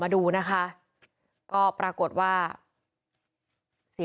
พุ่งเข้ามาแล้วกับแม่แค่สองคน